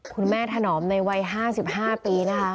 คุณแม่ถนอมในวัย๕๕ปีนะคะ